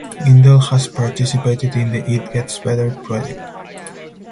Windle has participated in the It Gets Better Project.